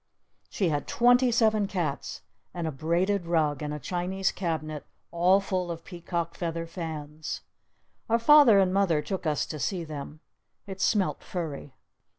She had twenty seven cats! And a braided rug! And a Chinese cabinet all full of peacock feather fans! Our Father and Mother took us to see them. It smelt furry.